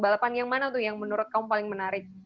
balapan yang mana tuh yang menurut kamu paling menarik